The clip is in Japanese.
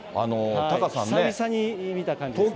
久々に見た感じですね。